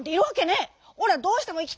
おらどうしてもいきてえんだ。